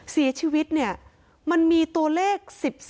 เสียชีวิตเนี่ยมันมีตัวเลข๑๔